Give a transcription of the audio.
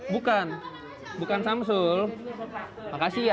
bukan bukan samsul makasih ya